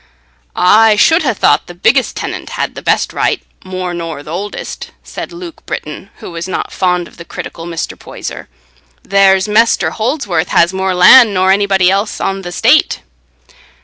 "I should ha' thought the biggest tenant had the best right, more nor th' oldest," said Luke Britton, who was not fond of the critical Mr. Poyser; "there's Mester Holdsworth has more land nor anybody else on th' estate."